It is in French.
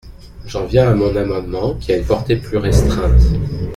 J’en viens à mon amendement, qui a une portée plus restreinte.